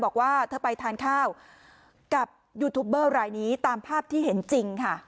บอกว่าเธอไปทานข้าวกับยูทูปเบอร์รายนี้ตามภาพที่เห็นจริงค่ะ